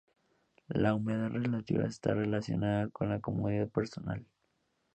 La humedad relativa está relacionada con la comodidad personal.